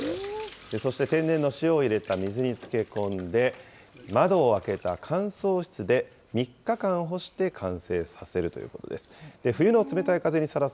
そして天然の塩を入れた水につけ込んで、窓を開けた乾燥室で、３日間干して完成させるということです。